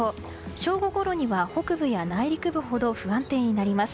正午ごろには北部や内陸部ほど不安定になります。